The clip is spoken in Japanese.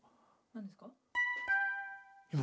何ですか？